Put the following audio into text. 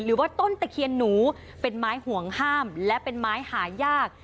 หรือว่าต้นตะเคียนหนูเป็นไม้ห่วงห้ามและเป็นไม้หายาก